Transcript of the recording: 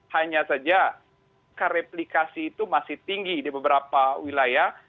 hanya saja kareplikasi itu masih tinggi di beberapa wilayah